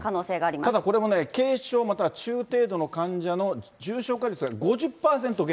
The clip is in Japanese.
ただこれもね、軽症または中程度の患者の重症化率が５０％減。